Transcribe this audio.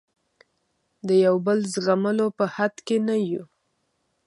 د یو بل زغملو په حد کې نه یو.